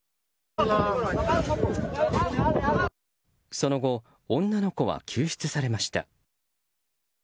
その後女の子は救出されました。